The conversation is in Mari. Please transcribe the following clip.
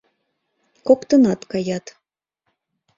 Коктынат каят.